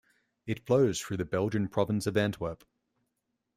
It flows through the Belgian province of Antwerp.